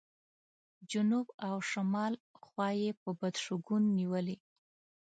جنوب او شمال خوا یې په بد شګون نیولې.